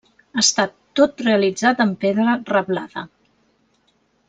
Està tot realitzat en pedra reblada.